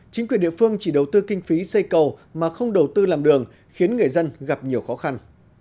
chính quyền địa phương chỉ đầu tư kinh phí xây cầu mà không đầu tư làm đường khiến người dân gặp nhiều khó khăn